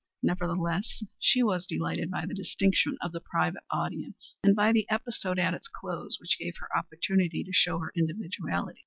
Nevertheless she was delighted by the distinction of the private audience, and by the episode at its close, which gave her opportunity to show her individuality.